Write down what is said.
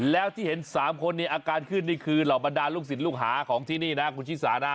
แล้วที่เห็น๓คนนี้อาการขึ้นนี่คือเหล่าบรรดาลูกศิษย์ลูกหาของที่นี่นะคุณชิสานะ